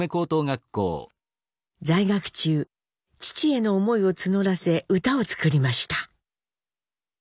在学中父への思いを募らせ歌を作りました。